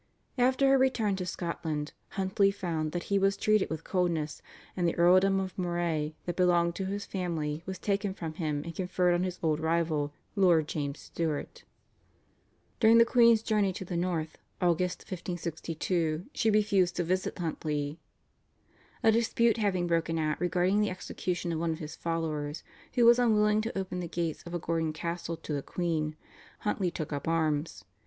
After her return to Scotland Huntly found that he was treated with coldness, and the earldom of Moray that belonged to his family was taken from him and conferred on his old rival, Lord James Stuart. During the queen's journey to the north (August 1562) she refused to visit Huntly. A dispute having broken out regarding the execution of one of his followers, who was unwilling to open the gates of a Gordon castle to the queen, Huntly took up arms.